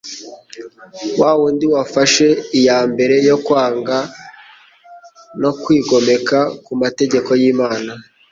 wa wundi wafashe iya mbere yo kwanga no kwigomeka ku mategeko y'Imana.